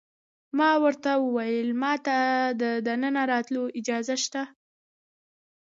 ما ورته وویل: ما ته د دننه راتلو اجازه شته؟